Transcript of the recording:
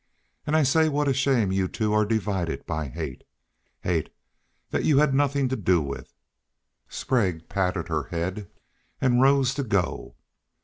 An' I say what a shame you two are divided by hate. Hate thet you hed nothin' to do with." Sprague patted her head and rose to go.